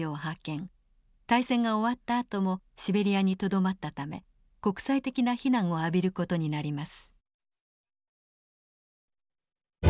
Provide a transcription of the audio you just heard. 大戦が終わったあともシベリアにとどまったため国際的な非難を浴びる事になります。